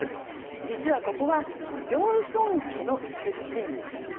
実はここはジョンソン家の出身地。